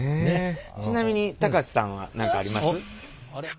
ちなみに高瀬さんは何かあります？